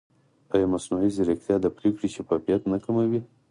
ایا مصنوعي ځیرکتیا د پرېکړې شفافیت نه کموي؟